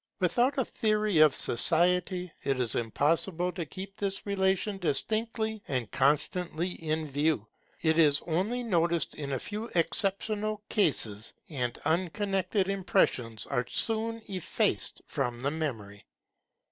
Without a theory of society, it is impossible to keep this relation distinctly and constantly in view. It is only noticed in a few exceptional cases, and unconnected impressions are soon effaced from the memory.